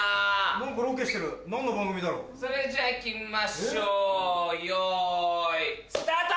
何かロケしてる何の番組だろう？それじゃあいきましょうよいスタート！